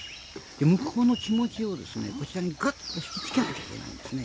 向こうの気持ちをこちらにぐっと引き付けなければいけないんですね。